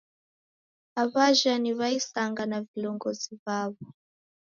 Aw'ajha ni w'aisanga na vilongozi vaw'o